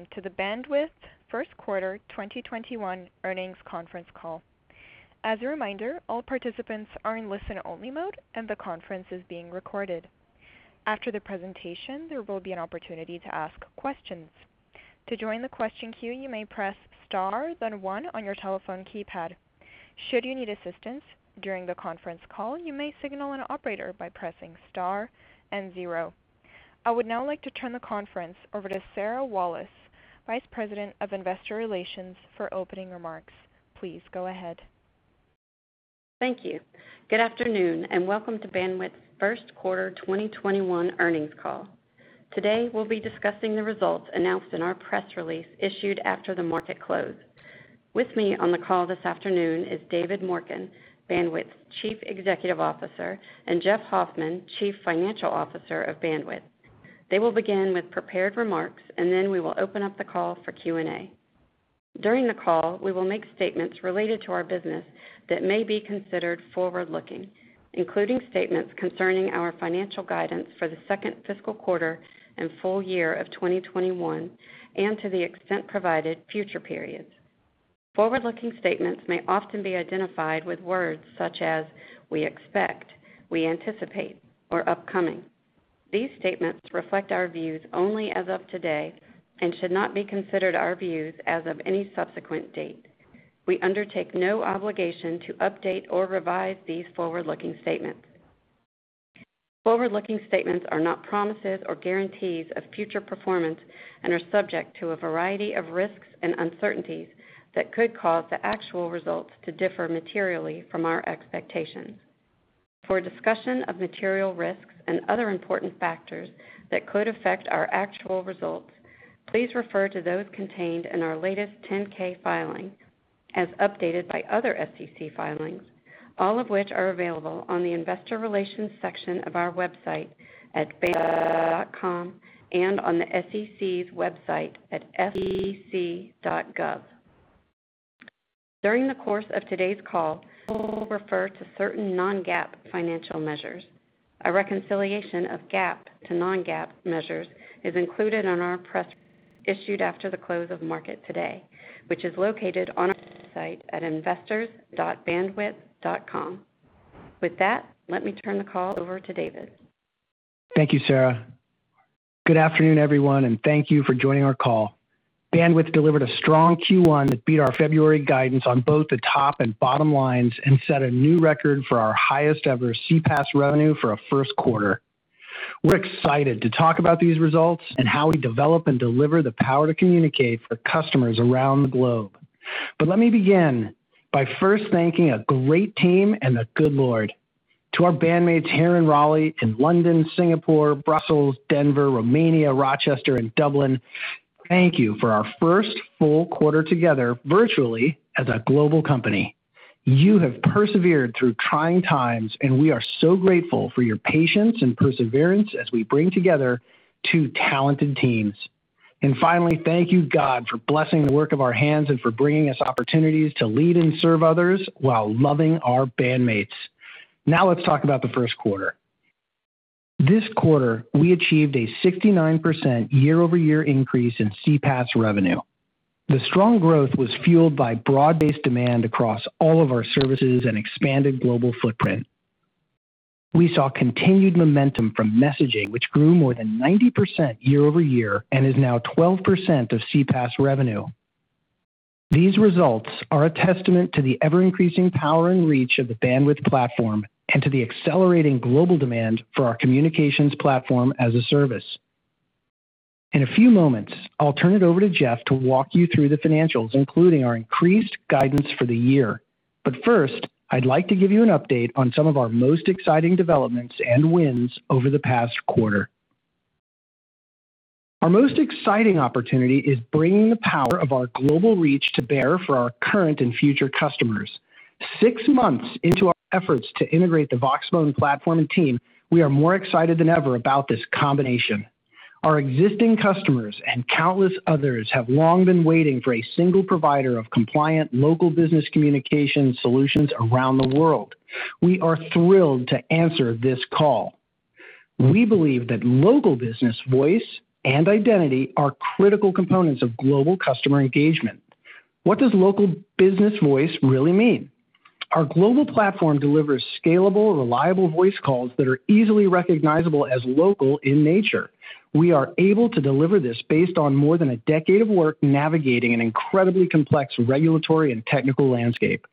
Welcome to the Bandwidth First Quarter 2021 Earnings Conference Call. As a reminder, all participants are in listen-only mode, and the conference is being recorded. After the presentation, there will be an opportunity to ask questions. To join the question queue, you may press star, then one on your telephone keypad. Should you need assistance during the conference call, you may signal an operator by pressing star and zero. I would now like to turn the conference over to Sarah Walas, Vice President of Investor Relations, for opening remarks. Please go ahead. Thank you. Good afternoon, welcome to Bandwidth's First Quarter 2021 Earnings Call. Today, we'll be discussing the results announced in our press release issued after the market close. With me on the call this afternoon is David Morken, Bandwidth's Chief Executive Officer, and Jeff Hoffman, Chief Financial Officer of Bandwidth. They will begin with prepared remarks, then we will open up the call for Q&A. During the call, we will make statements related to our business that may be considered forward-looking, including statements concerning our financial guidance for the second fiscal quarter and full year of 2021, and to the extent provided, future periods. Forward-looking statements may often be identified with words such as "we expect," "we anticipate," or "upcoming." These statements reflect our views only as of today and should not be considered our views as of any subsequent date. We undertake no obligation to update or revise these forward-looking statements. Forward-looking statements are not promises or guarantees of future performance and are subject to a variety of risks and uncertainties that could cause the actual results to differ materially from our expectations. For a discussion of material risks and other important factors that could affect our actual results, please refer to those contained in our latest 10-K filing, as updated by other SEC filings, all of which are available on the Investor Relations section of our website at bandwidth.com and on the SEC's website at sec.gov. During the course of today's call, we will refer to certain non-GAAP financial measures. A reconciliation of GAAP to non-GAAP measures is included on our press issued after the close of market today, which is located on our website at investors.bandwidth.com. With that, let me turn the call over to David. Thank you, Sarah. Good afternoon, everyone, and thank you for joining our call. Bandwidth delivered a strong Q1 that beat our February guidance on both the top and bottom lines and set a new record for our highest-ever CPaaS revenue for a first quarter. We're excited to talk about these results and how we develop and deliver the power to communicate for customers around the globe. Let me begin by first thanking a great team and the good Lord. To our bandmates here in Raleigh, in London, Singapore, Brussels, Denver, Romania, Rochester, and Dublin, thank you for our first full quarter together virtually as a global company. You have persevered through trying times, and we are so grateful for your patience and perseverance as we bring together two talented teams. Finally, thank you, God, for blessing the work of our hands and for bringing us opportunities to lead and serve others while loving our bandmates. Now let's talk about the first quarter. This quarter, we achieved a 69% year-over-year increase in CPaaS revenue. The strong growth was fueled by broad-based demand across all of our services and expanded global footprint. We saw continued momentum from messaging, which grew more than 90% year-over-year and is now 12% of CPaaS revenue. These results are a testament to the ever-increasing power and reach of the Bandwidth platform and to the accelerating global demand for our communications platform as a service. In a few moments, I'll turn it over to Jeff to walk you through the financials, including our increased guidance for the year. First, I'd like to give you an update on some of our most exciting developments and wins over the past quarter. Our most exciting opportunity is bringing the power of our global reach to bear for our current and future customers. Six months into our efforts to integrate the Voxbone platform and team, we are more excited than ever about this combination. Our existing customers and countless others have long been waiting for a single provider of compliant local business communication solutions around the world. We are thrilled to answer this call. We believe that local business voice and identity are critical components of global customer engagement. What does local business voice really mean? Our global platform delivers scalable, reliable voice calls that are easily recognizable as local in nature. We are able to deliver this based on more than a decade of work navigating an incredibly complex regulatory and technical landscape.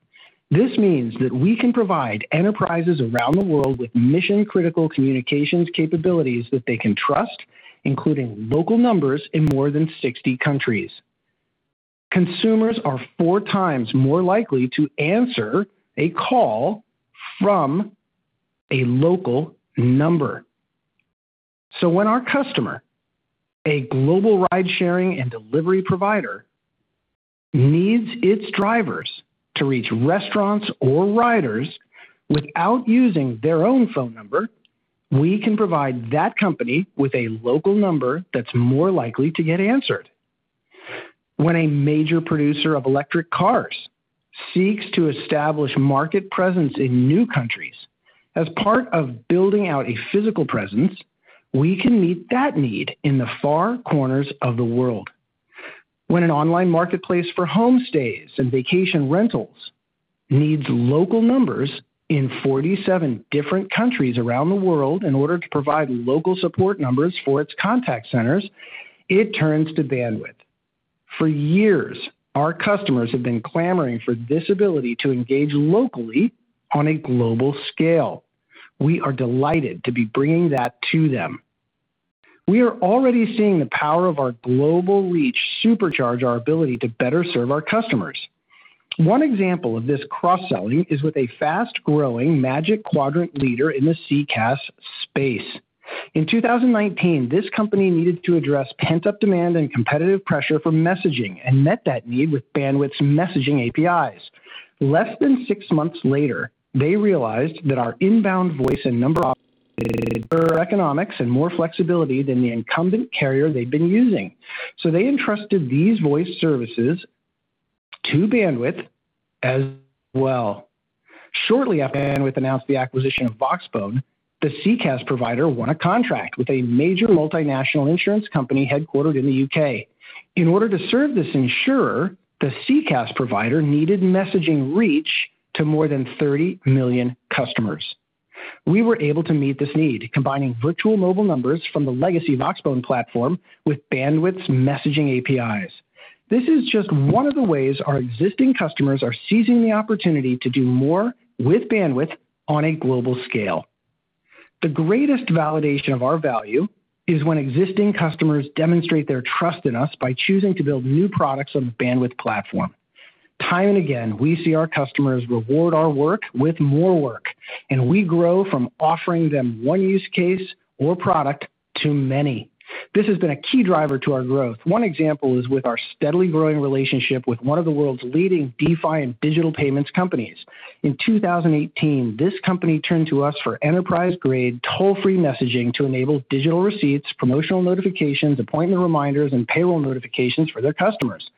This means that we can provide enterprises around the world with mission-critical communications capabilities that they can trust, including local numbers in more than 60 countries. Consumers are four times more likely to answer a call from a local number. When our customer, a global ride-sharing and delivery provider, needs its drivers to reach restaurants or riders without using their own phone number, we can provide that company with a local number that's more likely to get answered. When a major producer of electric cars seeks to establish market presence in new countries as part of building out a physical presence, we can meet that need in the far corners of the world. When an online marketplace for homestays and vacation rentals needs local numbers in 47 different countries around the world in order to provide local support numbers for its contact centers, it turns to Bandwidth. For years, our customers have been clamoring for this ability to engage locally on a global scale. We are delighted to be bringing that to them. We are already seeing the power of our global reach supercharge our ability to better serve our customers. One example of this cross-selling is with a fast-growing Magic Quadrant leader in the CCaaS space. In 2019, this company needed to address pent-up demand and competitive pressure for messaging and met that need with Bandwidth's messaging APIs. Less than six months later, they realized that our inbound voice and number economics and more flexibility than the incumbent carrier they'd been using. They entrusted these voice services to Bandwidth as well. Shortly after Bandwidth announced the acquisition of Voxbone, the CCaaS provider won a contract with a major multinational insurance company headquartered in the U.K. In order to serve this insurer, the CCaaS provider needed messaging reach to more than 30 million customers. We were able to meet this need, combining virtual mobile numbers from the legacy Voxbone platform with Bandwidth's messaging APIs. This is just one of the ways our existing customers are seizing the opportunity to do more with Bandwidth on a global scale. The greatest validation of our value is when existing customers demonstrate their trust in us by choosing to build new products on the Bandwidth platform. Time and again, we see our customers reward our work with more work, and we grow from offering them one use case or product to many. This has been a key driver to our growth. One example is with our steadily growing relationship with one of the world's leading DeFi and digital payments companies. In 2018, this company turned to us for enterprise-grade toll-free messaging to enable digital receipts, promotional notifications, appointment reminders, and payroll notifications for their customers.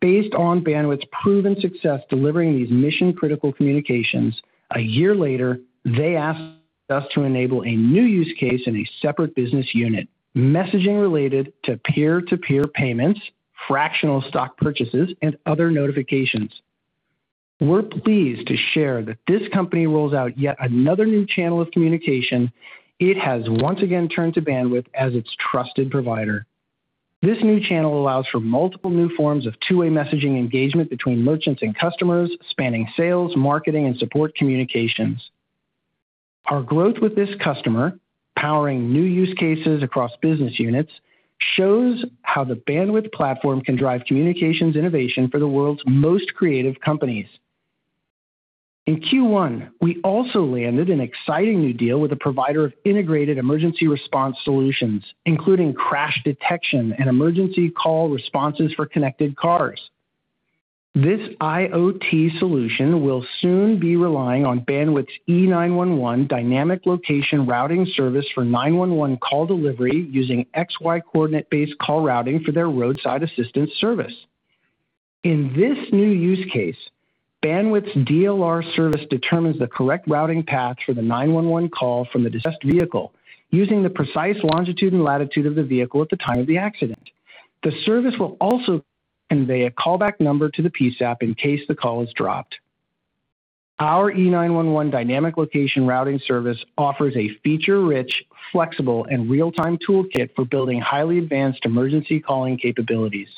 Based on Bandwidth's proven success delivering these mission-critical communications, a year later, they asked us to enable a new use case in a separate business unit, messaging related to peer-to-peer payments, fractional stock purchases, and other notifications. We're pleased to share that this company rolls out yet another new channel of communication. It has once again turned to Bandwidth as its trusted provider. This new channel allows for multiple new forms of two-way messaging engagement between merchants and customers, spanning sales, marketing, and support communications. Our growth with this customer, powering new use cases across business units, shows how the Bandwidth platform can drive communications innovation for the world's most creative companies. In Q1, we also landed an exciting new deal with a provider of integrated emergency response solutions, including crash detection and emergency call responses for connected cars. This IoT solution will soon be relying on Bandwidth's E911 dynamic location routing service for 911 call delivery using XY coordinate-based call routing for their roadside assistance service. In this new use case, Bandwidth's DLR service determines the correct routing path for the 911 call from the distressed vehicle using the precise longitude and latitude of the vehicle at the time of the accident. The service will also convey a callback number to the PSAP in case the call is dropped. Our E911 dynamic location routing service offers a feature-rich, flexible, and real-time toolkit for building highly advanced emergency calling capabilities.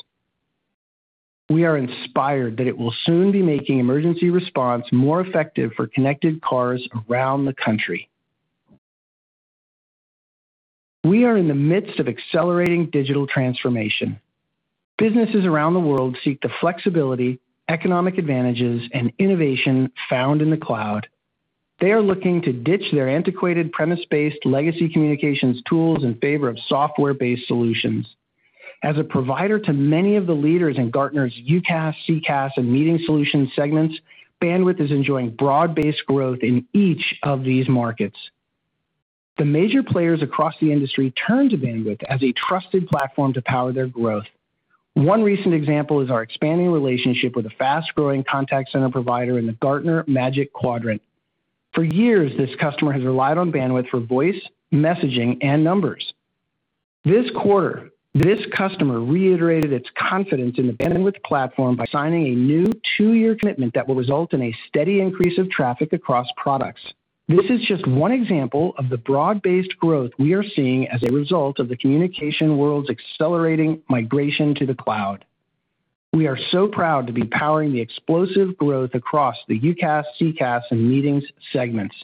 We are inspired that it will soon be making emergency response more effective for connected cars around the country. We are in the midst of accelerating digital transformation. Businesses around the world seek the flexibility, economic advantages, and innovation found in the cloud. They are looking to ditch their antiquated premise-based legacy communications tools in favor of software-based solutions. As a provider to many of the leaders in Gartner's UCaaS, CCaaS, and meeting solutions segments, Bandwidth is enjoying broad-based growth in each of these markets. The major players across the industry turn to Bandwidth as a trusted platform to power their growth. One recent example is our expanding relationship with a fast-growing contact center provider in the Gartner Magic Quadrant. For years, this customer has relied on Bandwidth for voice, messaging, and numbers. This quarter, this customer reiterated its confidence in the Bandwidth platform by signing a new two-year commitment that will result in a steady increase of traffic across products. This is just one example of the broad-based growth we are seeing as a result of the communication world's accelerating migration to the cloud. We are so proud to be powering the explosive growth across the UCaaS, CCaaS, and meetings segments.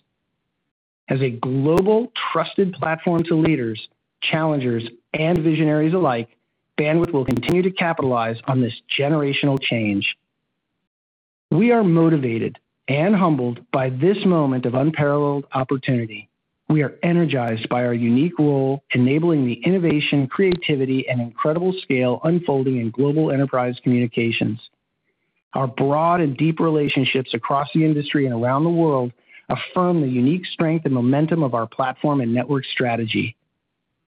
As a global trusted platform to leaders, challengers, and visionaries alike, Bandwidth will continue to capitalize on this generational change. We are motivated and humbled by this moment of unparalleled opportunity. We are energized by our unique role enabling the innovation, creativity, and incredible scale unfolding in global enterprise communications. Our broad and deep relationships across the industry and around the world affirm the unique strength and momentum of our platform and network strategy.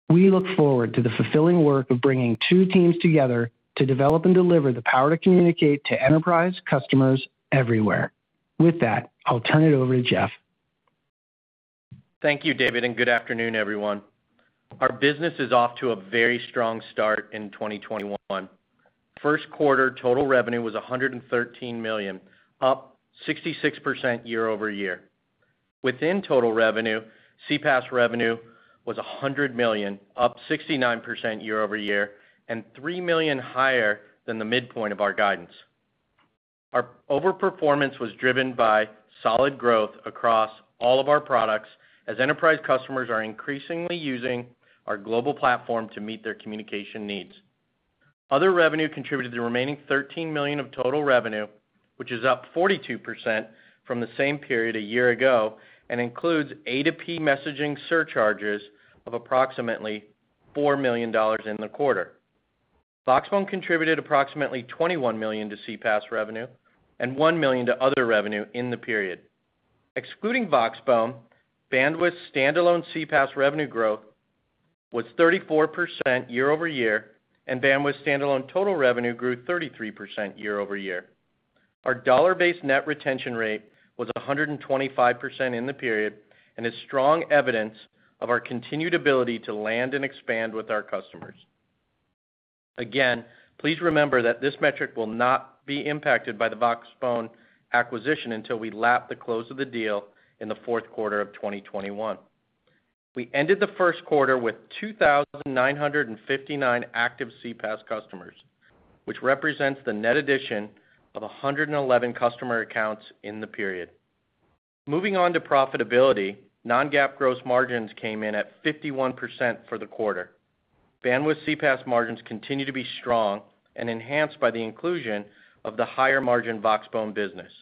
We look forward to the fulfilling work of bringing two teams together to develop and deliver the power to communicate to enterprise customers everywhere. With that, I'll turn it over to Jeff. Thank you, David. Good afternoon, everyone. Our business is off to a very strong start in 2021. First quarter total revenue was $113 million, up 66% year-over-year. Within total revenue, CPaaS revenue was $100 million, up 69% year-over-year, and $3 million higher than the midpoint of our guidance. Our over-performance was driven by solid growth across all of our products as enterprise customers are increasingly using our global platform to meet their communication needs. Other revenue contributed to the remaining $13 million of total revenue, which is up 42% from the same period a year ago and includes A2P messaging surcharges of approximately $4 million in the quarter. Voxbone contributed approximately $21 million to CPaaS revenue and $1 million to other revenue in the period. Excluding Voxbone, Bandwidth standalone CPaaS revenue growth was 34% year-over-year, and Bandwidth standalone total revenue grew 33% year-over-year. Our dollar-based net retention rate was 125% in the period and is strong evidence of our continued ability to land and expand with our customers. Again, please remember that this metric will not be impacted by the Voxbone acquisition until we lap the close of the deal in the fourth quarter of 2021. We ended the first quarter with 2,959 active CPaaS customers, which represents the net addition of 111 customer accounts in the period. Moving on to profitability, non-GAAP gross margins came in at 51% for the quarter. Bandwidth CPaaS margins continue to be strong and enhanced by the inclusion of the higher margin Voxbone business.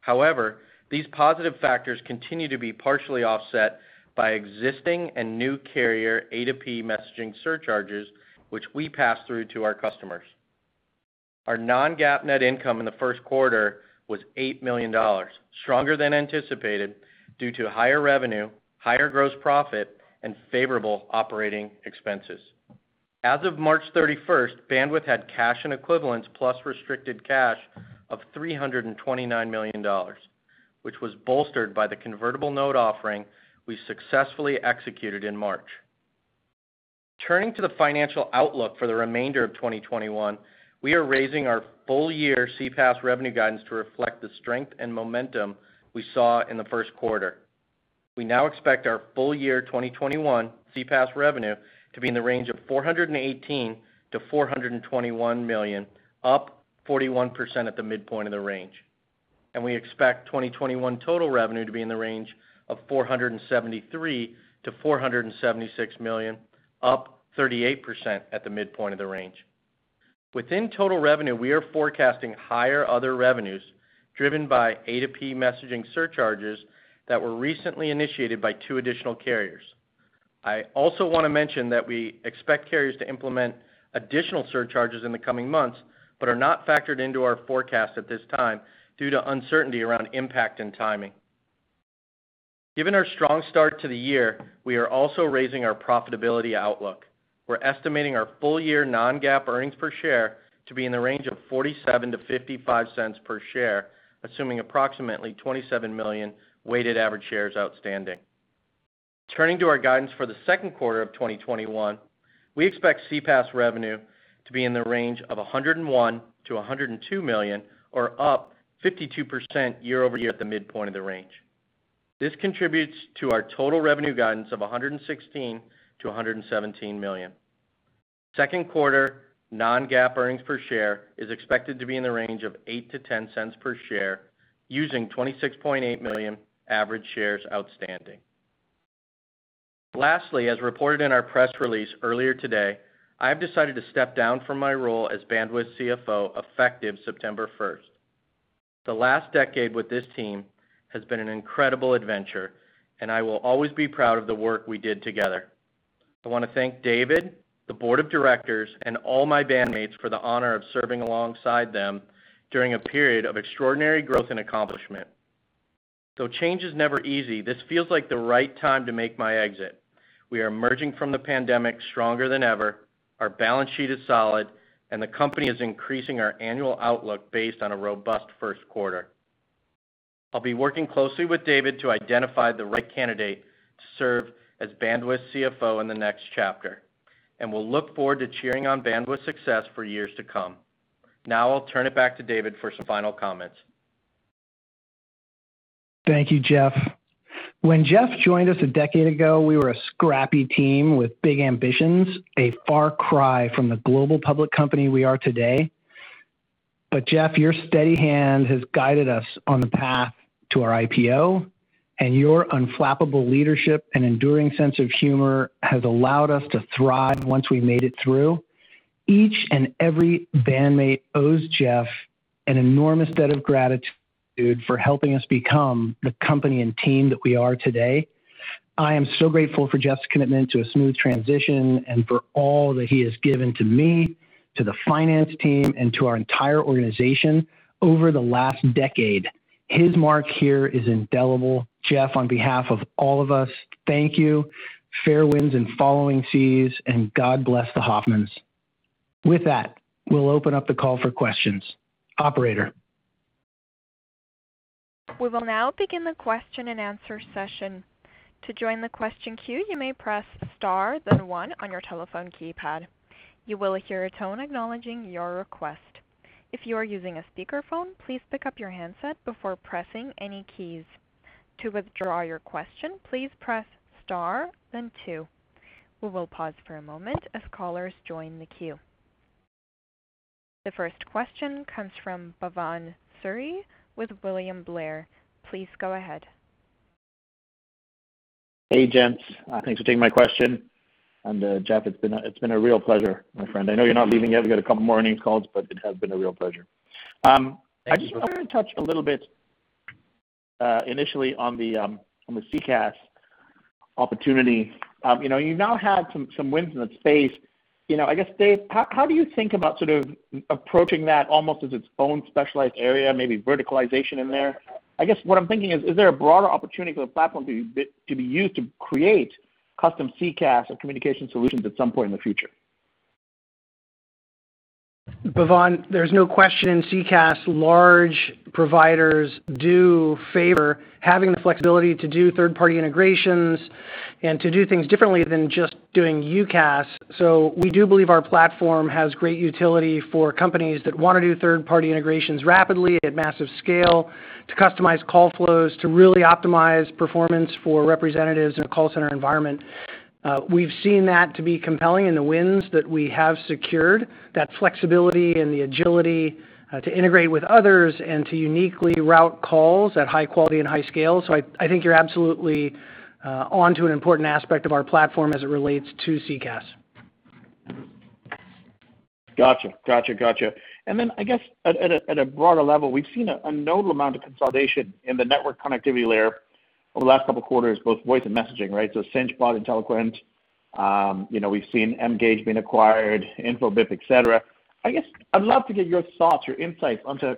However, these positive factors continue to be partially offset by existing and new carrier A2P messaging surcharges, which we pass through to our customers. Our non-GAAP net income in the first quarter was $8 million, stronger than anticipated due to higher revenue, higher gross profit, and favorable operating expenses. As of March 31st, Bandwidth had cash and equivalents plus restricted cash of $329 million, which was bolstered by the convertible note offering we successfully executed in March. Turning to the financial outlook for the remainder of 2021, we are raising our full year CPaaS revenue guidance to reflect the strength and momentum we saw in the first quarter. We now expect our full year 2021 CPaaS revenue to be in the range of $418 million-$421 million, up 41% at the midpoint of the range. We expect 2021 total revenue to be in the range of $473 million-$476 million, up 38% at the midpoint of the range. Within total revenue, we are forecasting higher other revenues driven by A2P messaging surcharges that were recently initiated by two additional carriers. I also want to mention that we expect carriers to implement additional surcharges in the coming months but are not factored into our forecast at this time due to uncertainty around impact and timing. Given our strong start to the year, we are also raising our profitability outlook. We're estimating our full year non-GAAP earnings per share to be in the range of $0.47-$0.55 per share, assuming approximately 27 million weighted average shares outstanding. Turning to our guidance for the second quarter of 2021, we expect CPaaS revenue to be in the range of $101 million-$102 million, or up 52% year-over-year at the midpoint of the range. This contributes to our total revenue guidance of $116 million-$117 million. Second quarter non-GAAP earnings per share is expected to be in the range of $0.08-$0.10 per share using 26.8 million average shares outstanding. As reported in our press release earlier today, I have decided to step down from my role as Bandwidth CFO effective September 1st. The last decade with this team has been an incredible adventure, and I will always be proud of the work we did together. I want to thank David, the board of directors, and all my bandmates for the honor of serving alongside them during a period of extraordinary growth and accomplishment. Though change is never easy, this feels like the right time to make my exit. We are emerging from the pandemic stronger than ever, our balance sheet is solid, and the company is increasing our annual outlook based on a robust first quarter. I'll be working closely with David to identify the right candidate to serve as Bandwidth CFO in the next chapter, and will look forward to cheering on Bandwidth's success for years to come. Now I'll turn it back to David for some final comments. Thank you, Jeff. When Jeff joined us a decade ago, we were a scrappy team with big ambitions, a far cry from the global public company we are today. Jeff, your steady hand has guided us on the path to our IPO, and your unflappable leadership and enduring sense of humor has allowed us to thrive once we made it through. Each and every bandmate owes Jeff an enormous debt of gratitude to you, for helping us become the company and team that we are today. I am so grateful for Jeff's commitment to a smooth transition and for all that he has given to me, to the finance team, and to our entire organization over the last decade. His mark here is indelible. Jeff, on behalf of all of us, thank you. Fair winds and following seas, God bless the Hoffmans. With that, we'll open up the call for questions. Operator. We will now begin the question-and-answer session. The first question comes from Bhavan Suri with William Blair. Please go ahead. Hey, gents. Thanks for taking my question. Jeff, it's been a real pleasure, my friend. I know you're not leaving yet. We've got a couple more earnings calls, it has been a real pleasure. Thanks, Bhavan. I just wanted to touch a little bit, initially on the CCaaS opportunity. You've now had some wins in that space. I guess, Dave, how do you think about approaching that almost as its own specialized area, maybe verticalization in there? I guess what I'm thinking is there a broader opportunity for the platform to be used to create custom CCaaS or communication solutions at some point in the future? Bhavan, there's no question in CCaaS, large providers do favor having the flexibility to do third-party integrations and to do things differently than just doing UCaaS. We do believe our platform has great utility for companies that want to do third-party integrations rapidly at massive scale, to customize call flows, to really optimize performance for representatives in a call center environment. We've seen that to be compelling in the wins that we have secured, that flexibility and the agility to integrate with others and to uniquely route calls at high quality and high scale. I think you're absolutely onto an important aspect of our platform as it relates to CCaaS. Got you. I guess at a broader level, we've seen a notable amount of consolidation in the network connectivity layer over the last couple of quarters, both voice and messaging, right? Sinch bought Inteliquent. We've seen [OpenMarket] being acquired by Infobip, et cetera. I guess I'd love to get your thoughts, your insights onto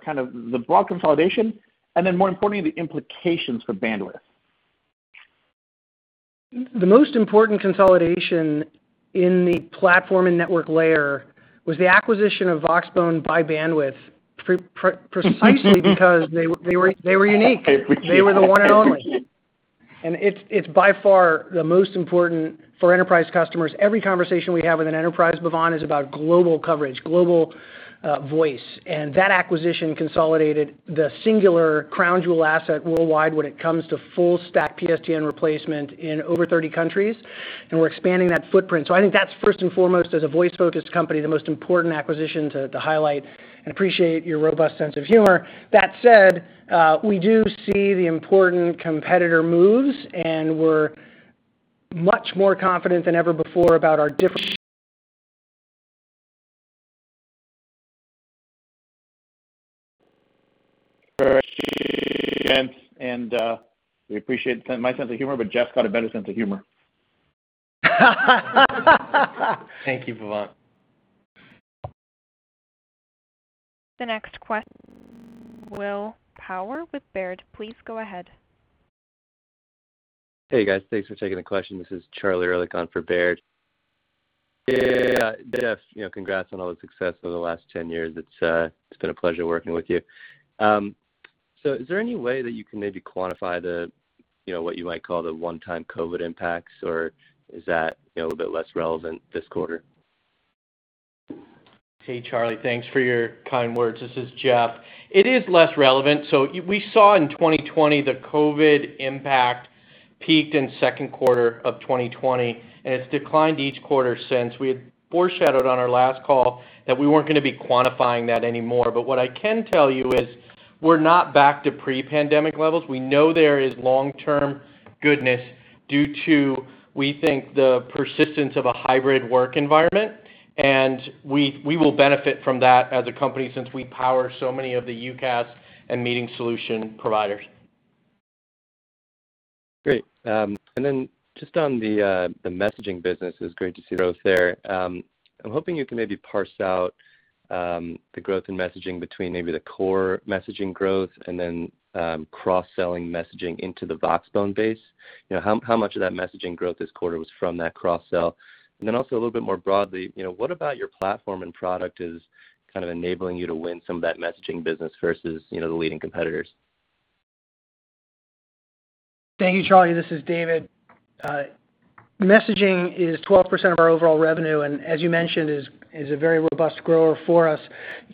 the broad consolidation, and then more importantly, the implications for Bandwidth. The most important consolidation in the platform and network layer was the acquisition of Voxbone by Bandwidth precisely because they were unique. They were the one and only, and it's by far the most important for enterprise customers. Every conversation we have with an enterprise, Bhavan, is about global coverage, global voice, and that acquisition consolidated the singular crown jewel asset worldwide when it comes to full stack PSTN replacement in over 30 countries, and we're expanding that footprint. I think that's first and foremost, as a voice-focused company, the most important acquisition to highlight, and appreciate your robust sense of humor. That said, we do see the important competitor moves, and we're much more confident than ever before about our. We appreciate my sense of humor, but Jeff's got a better sense of humor. Thank you, Bhavan. The next question, Will Power with Baird. Please go ahead. Hey, guys. Thanks for taking the question. This is Charlie Ehrlich on for Baird. Jeff, congrats on all the success over the last 10 years. It's been a pleasure working with you. Is there any way that you can maybe quantify what you might call the one-time COVID impacts, or is that a little bit less relevant this quarter? Hey, Charlie Ehrlich. Thanks for your kind words. This is Jeff. It is less relevant. We saw in 2020, the COVID impact peaked in second quarter of 2020, and it's declined each quarter since. We had foreshadowed on our last call that we weren't going to be quantifying that anymore. What I can tell you is we're not back to pre-pandemic levels. We know there is long-term goodness due to, we think, the persistence of a hybrid work environment, and we will benefit from that as a company since we power so many of the UCaaS and meeting solution providers. Great. Just on the messaging business, it was great to see those there. I'm hoping you can maybe parse out the growth in messaging between maybe the core messaging growth and then cross-selling messaging into the Voxbone base. How much of that messaging growth this quarter was from that cross-sell? Also a little bit more broadly, what about your platform and product is enabling you to win some of that messaging business versus the leading competitors? Thank you, Charlie. This is David. Messaging is 12% of our overall revenue, and as you mentioned, is a very robust grower for us.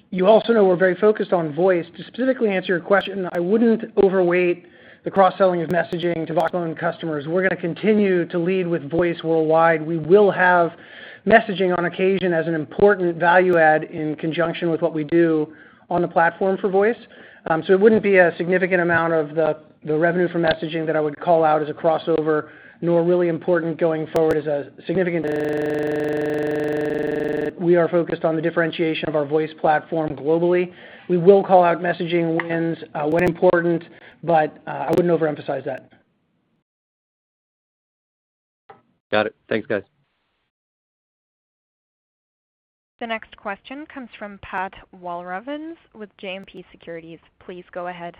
You also know we're very focused on voice. To specifically answer your question, I wouldn't overweight the cross-selling of messaging to Voxbone customers. We're going to continue to lead with voice worldwide. We will have messaging on occasion as an important value add in conjunction with what we do on the platform for voice. It wouldn't be a significant amount of the revenue from messaging that I would call out as a crossover. We are focused on the differentiation of our voice platform globally. We will call out messaging wins when important, but I wouldn't overemphasize that. Got it. Thanks, guys. The next question comes from Pat Walravens with JMP Securities. Please go ahead.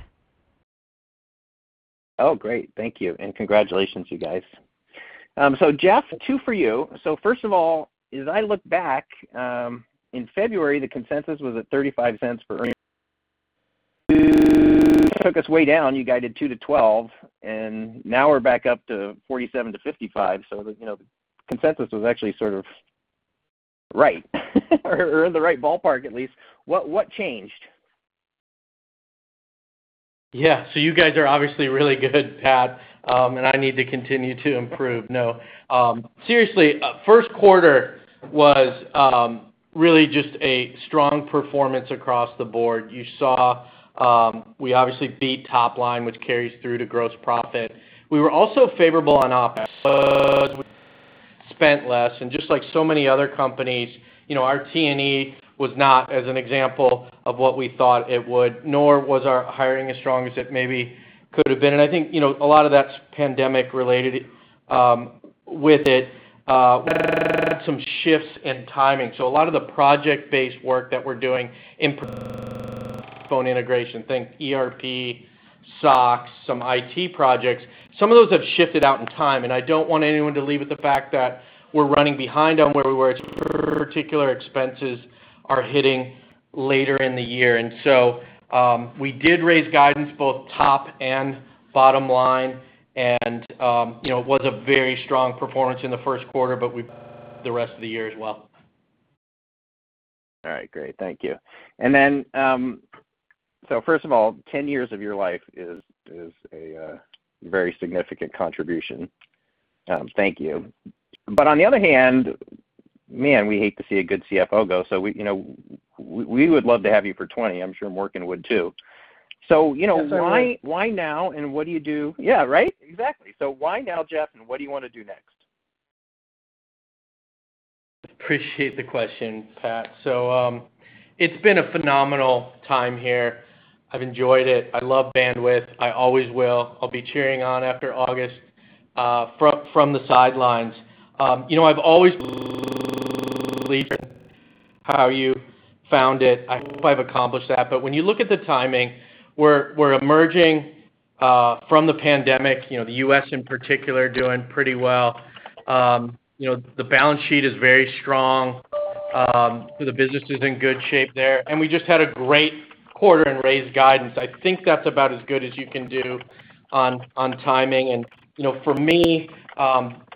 Oh, great. Thank you, and congratulations, you guys. Jeff, two for you. First of all, as I look back, in February, the consensus was at $0.35 for earnings. It took us way down. You guided $0.02-$0.12, and now we're back up to $0.47-$0.55. The consensus was actually sort of right, or in the right ballpark at least. What changed? You guys are obviously really good, Pat, and I need to continue to improve. No. Seriously, first quarter was really just a strong performance across the board. You saw we obviously beat top line, which carries through to gross profit. We were also favorable on OpEx. We spent less. Just like so many other companies, our T&E was not as an example of what we thought it would, nor was our hiring as strong as it maybe could have been. I think, a lot of that's pandemic related. With it, we had some shifts in timing. A lot of the project-based work that we're doing in Voxbone integration, think ERP, SOX, some IT projects, some of those have shifted out in time, and I don't want anyone to leave with the fact that we're running behind on where we were. Particular expenses are hitting later in the year. We did raise guidance both top and bottom line, and it was a very strong performance in the first quarter, the rest of the year as well. All right. Great. Thank you. First of all, 10 years of your life is a very significant contribution. Thank you. On the other hand, man, we hate to see a good CFO go. We would love to have you for 20. I'm sure Morken would too. Yes, sir. Yeah, right? Exactly. Why now, Jeff, and what do you want to do next? Appreciate the question, Pat. It's been a phenomenal time here. I've enjoyed it. I love Bandwidth. I always will. I'll be cheering on after August, from the sidelines. I've always believed in how you found it. I hope I've accomplished that. When you look at the timing, we're emerging from the pandemic, the U.S. in particular, doing pretty well. The balance sheet is very strong. The business is in good shape there. We just had a great quarter and raised guidance. I think that's about as good as you can do on timing. For me,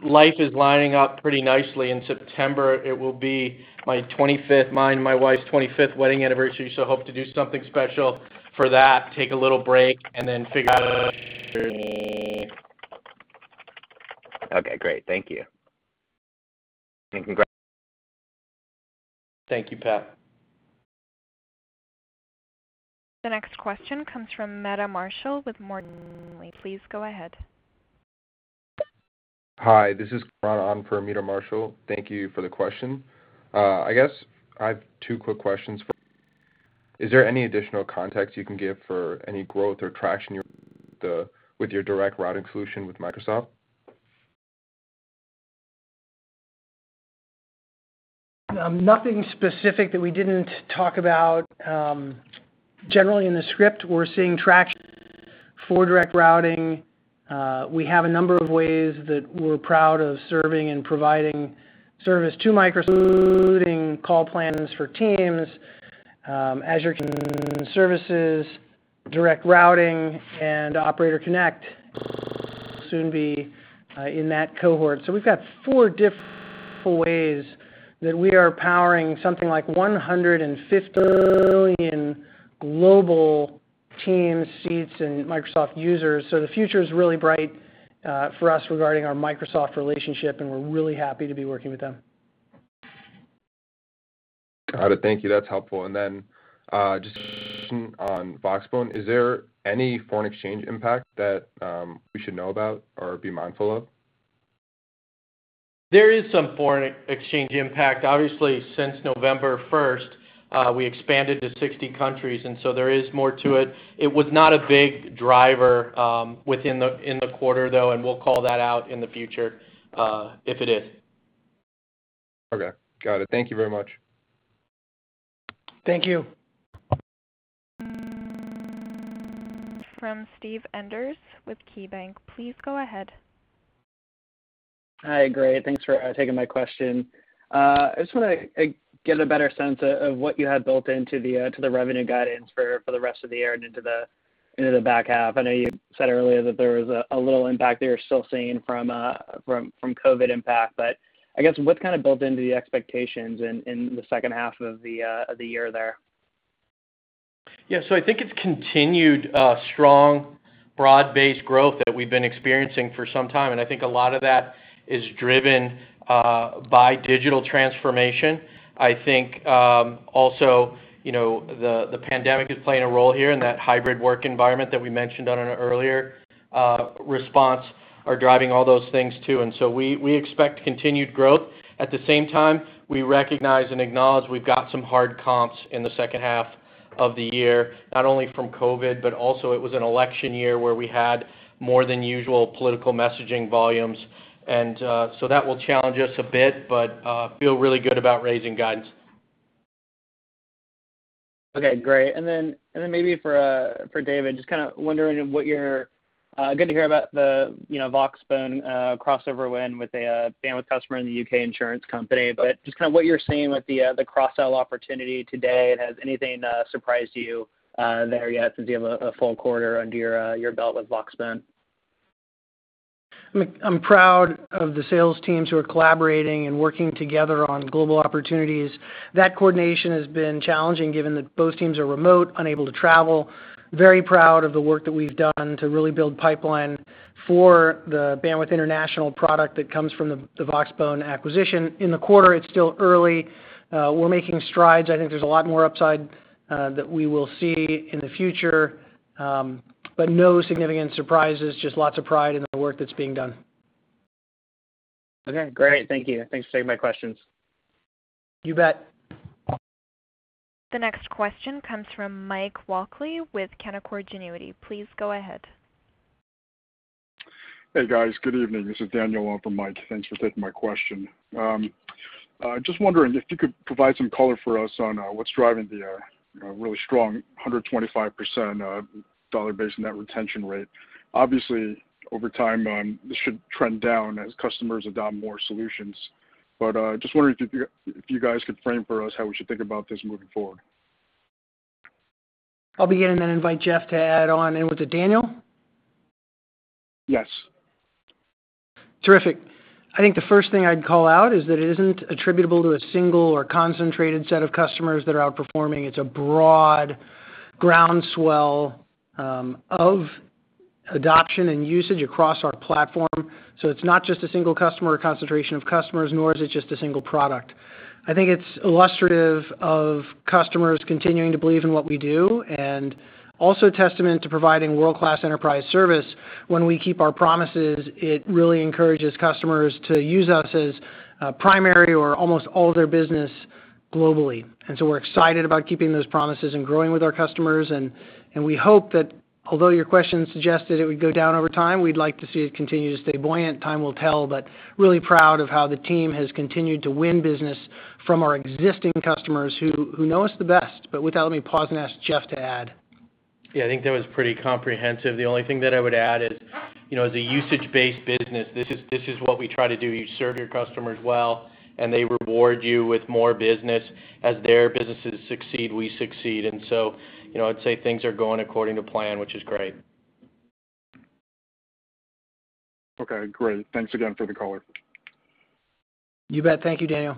life is lining up pretty nicely. In September, it will be my 25th, mine and my wife's 25th wedding anniversary, so hope to do something special for that, take a little break, and then figure out the next journey. Okay, great. Thank you. Congrats. Thank you, Pat. The next question comes from Meta Marshall with Morgan Stanley. Please go ahead. Hi, this is Karan on for Meta Marshall. Thank you for the question. I guess I have two quick questions for you. Is there any additional context you can give for any growth or traction with your Direct Routing solution with Microsoft? Nothing specific that we didn't talk about. Generally, in the script, we're seeing traction for Direct Routing. We have a number of ways that we're proud of serving and providing service to Microsoft, including call plans for Teams, Azure Communication Services, Direct Routing, and Operator Connect will soon be in that cohort. We've got four different ways that we are powering something like 150 million global Teams seats and Microsoft users. The future's really bright for us regarding our Microsoft relationship, and we're really happy to be working with them. Got it. Thank you. That's helpful. Then, just a question on Voxbone. Is there any foreign exchange impact that we should know about or be mindful of? There is some foreign exchange impact. Obviously, since November 1st, we expanded to 60 countries, and so there is more to it. It was not a big driver within the quarter, though, and we'll call that out in the future if it is. Okay. Got it. Thank you very much. Thank you. From Steve Enders with KeyBanc. Please go ahead. Hi. Great. Thanks for taking my question. I just want to get a better sense of what you had built into the revenue guidance for the rest of the year and into the back half. I know you said earlier that there was a little impact that you're still seeing from COVID impact, but I guess what's kind of built into the expectations in the second half of the year there? I think it's continued strong broad-based growth that we've been experiencing for some time, and I think a lot of that is driven by digital transformation. I think also the pandemic is playing a role here, and that hybrid work environment that we mentioned on an earlier response are driving all those things too. We expect continued growth. At the same time, we recognize and acknowledge we've got some hard comps in the second half of the year, not only from COVID, but also it was an election year where we had more than usual political messaging volumes. That will challenge us a bit, but feel really good about raising guidance. Okay, great. Maybe for David, good to hear about the Voxbone crossover win with a Bandwidth customer in the U.K. insurance company. Just what you're seeing with the cross-sell opportunity today, has anything surprised you there yet since you have a full quarter under your belt with Voxbone? I'm proud of the sales teams who are collaborating and working together on global opportunities. That coordination has been challenging given that both teams are remote, unable to travel. Very proud of the work that we've done to really build pipeline for the Bandwidth international product that comes from the Voxbone acquisition. In the quarter, it's still early. We're making strides. I think there's a lot more upside that we will see in the future. No significant surprises, just lots of pride in the work that's being done. Okay, great. Thank you. Thanks for taking my questions. You bet. The next question comes from Mike Walkley with Canaccord Genuity. Please go ahead. Hey, guys. Good evening. This is Daniel Park for Mike. Thanks for taking my question. Just wondering if you could provide some color for us on what's driving the really strong 125% dollar-based net retention rate. Obviously, over time, this should trend down as customers adopt more solutions. Just wondering if you guys could frame for us how we should think about this moving forward? I'll begin and then invite Jeff to add on in with the Daniel? Yes. Terrific. I think the first thing I'd call out is that it isn't attributable to a single or concentrated set of customers that are outperforming. It's a broad groundswell of adoption and usage across our platform. It's not just a single customer or concentration of customers, nor is it just a single product. I think it's illustrative of customers continuing to believe in what we do and also a testament to providing world-class enterprise service. When we keep our promises, it really encourages customers to use us as primary or almost all their business globally. We're excited about keeping those promises and growing with our customers, and we hope that although your question suggested it would go down over time, we'd like to see it continue to stay buoyant. Time will tell, really proud of how the team has continued to win business from our existing customers who know us the best. With that, let me pause and ask Jeff to add. Yeah, I think that was pretty comprehensive. The only thing that I would add is, as a usage-based business, this is what we try to do. You serve your customers well, and they reward you with more business. As their businesses succeed, we succeed. I'd say things are going according to plan, which is great. Okay, great. Thanks again for the color. You bet. Thank you, Daniel.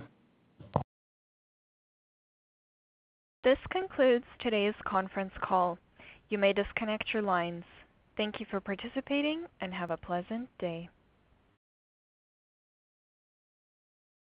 This concludes today's conference call. You may disconnect your lines. Thank you for participating, and have a pleasant day.